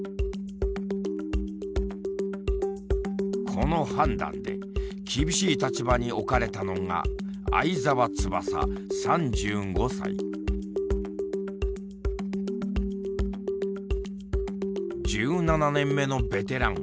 この判断で厳しい立場に置かれたのが１７年目のベテラン。